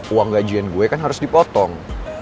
uang gajian gue kan harus dipotong